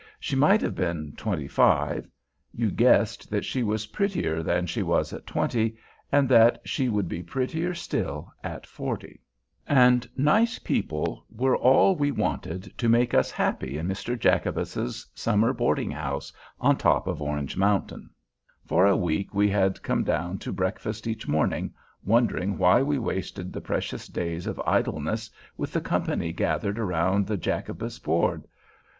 She might have been twenty five; you guessed that she was prettier than she was at twenty, and that she would be prettier still at forty. And nice people were all we wanted to make us happy in Mr. Jacobus's summer boarding house on top of Orange Mountain. For a week we had come down to breakfast each morning, wondering why we wasted the precious days of idleness with the company gathered around the Jacobus board.